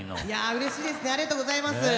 うれしいですねありがとうございます。